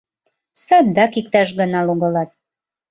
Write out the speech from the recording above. — Садак иктаж гана логалат!